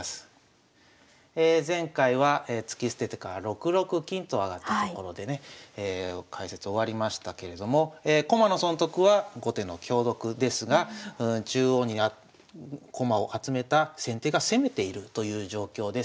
前回は突き捨ててから６六金と上がったところでね解説終わりましたけれども駒の損得は後手の香得ですが中央に駒を集めた先手が攻めているという状況です。